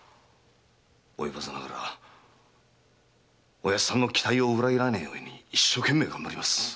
及ばずながら親父さんの期待を裏切らねえように一生懸命頑張ります。